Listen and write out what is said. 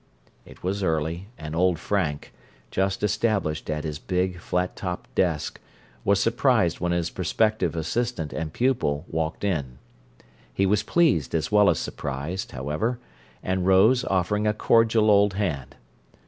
It was early, and old Frank, just established at his big, flat topped desk, was surprised when his prospective assistant and pupil walked in. He was pleased, as well as surprised, however, and rose, offering a cordial old hand.